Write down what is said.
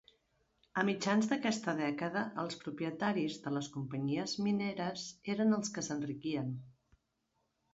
A mitjans d'aquesta dècada, els propietaris de les companyies mineres eren els que s'enriquien.